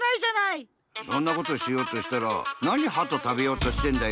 そんなことしようとしたら「なにハトたべようとしてんだよ！」